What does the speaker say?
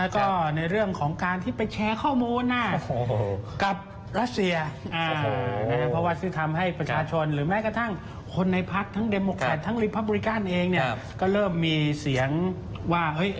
แค่ทางริปราบริการเองก็เริ่มมีเสียงว่าเห้ย